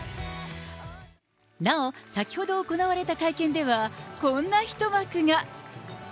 なお、先ほど行われた会見では、こんな一幕が。